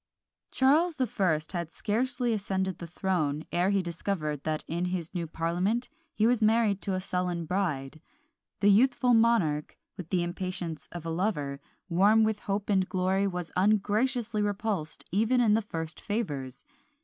Charles the First had scarcely ascended the throne ere he discovered that in his new parliament he was married to a sullen bride: the youthful monarch, with the impatience of a lover, warm with hope and glory, was ungraciously repulsed even in the first favours!